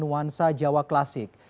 nuansa jawa klasik